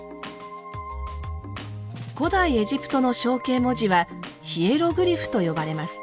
古代エジプトの象形文字はヒエログリフと呼ばれます。